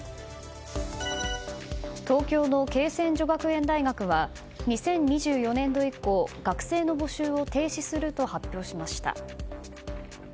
東京の恵泉女学園大学は２０２４年度以降学生の募集を停止すると発表しました。